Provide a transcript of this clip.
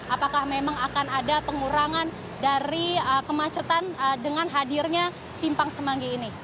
apakah memang akan ada pengurangan dari kemacetan dengan hadirnya simpang semanggi ini